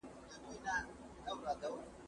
زه سبزېجات جمع کړي دي.